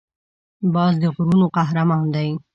باز د غرونو قهرمان دی